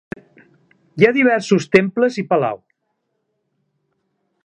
Hi ha diversos temples i palau.